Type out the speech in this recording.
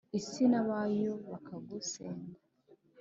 isi n'abayo bakagusenda